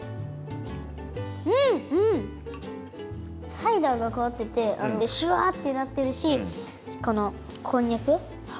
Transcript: サイダーがかかっててシュワってなってるしこのこんにゃくはごたえがかんじる。